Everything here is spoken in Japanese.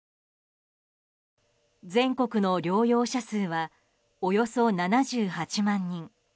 全国の療養者数はおよそ７８万人。